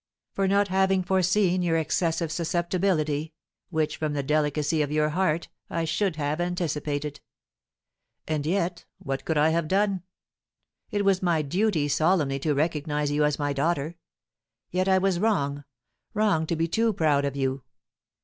"For not having foreseen your excessive susceptibility, which, from the delicacy of your heart, I should have anticipated. And yet what could I have done? It was my duty solemnly to recognise you as my daughter; yet I was wrong wrong to be too proud of you!